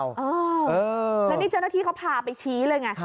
แล้วนี่เจ้าหน้าที่เขาพาไปชี้เลยไง